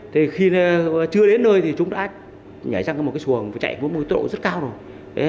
thế khi chưa đến nơi thì chúng đã nhảy sang một cái xuồng và chạy với mối tổ rất cao rồi